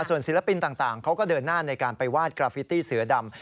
ส่วนศิลปินต่างเขาก็เดินหน้าในการไปวาดกราฟิตี้เสือดำ